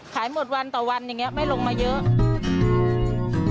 หมดวันต่อวันอย่างนี้ไม่ลงมาเยอะ